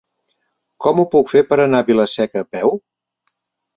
Com ho puc fer per anar a Vila-seca a peu?